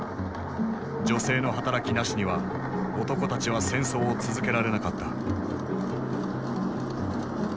女性の働きなしには男たちは戦争を続けられなかった。